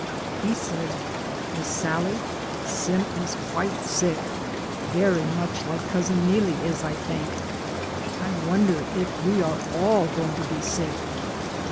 He said, "Miss Sallie, Sim is quite sick; very much like Cousin Neelie is, I think. I wonder if we are all going to be sick?"